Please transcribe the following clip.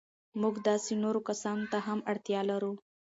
موږ داسې نورو کسانو ته هم اړتیا لرو.